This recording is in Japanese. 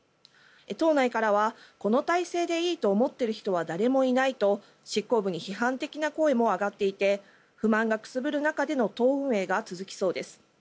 党内からはこの体制でいいと思っている人は誰もいないと執行部に批判的な声も上がっていて不満がくすぶる中での党運営が続きそうです。